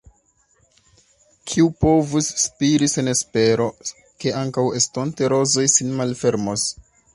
Kiu povus spiri sen espero, ke ankaŭ estonte rozoj sin malfermos.